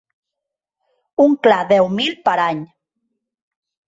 Un clar deu mil per any.